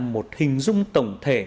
một hình dung tổng thể